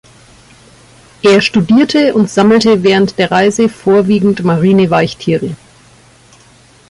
Er studierte und sammelte während der Reise vorwiegend marine Weichtiere.